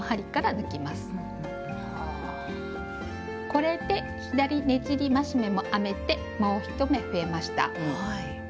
これで「左ねじり増し目」も編めてもう１目増えました。